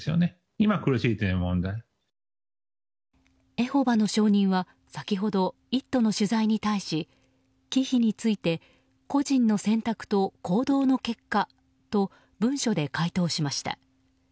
エホバの証人は先ほど「イット！」の取材に対し忌避について個人の選択と行動の結果と文書で回答しました。